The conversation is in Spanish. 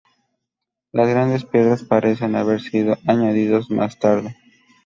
Las grandes piedras parecen haber sido añadidos más tarde.